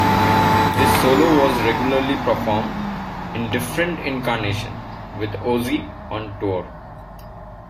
This solo was regularly performed, in different incarnations, with Ozzy on tour.